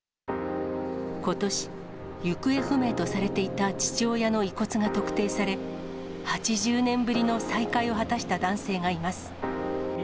ことし、行方不明とされていた父親の遺骨が特定され、８０年ぶりの再会を果たした男性がいます。